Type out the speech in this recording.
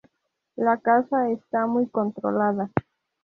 La caza está muy controlada.